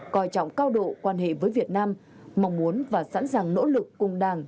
coi trọng cao độ quan hệ với việt nam mong muốn và sẵn sàng nỗ lực cùng đảng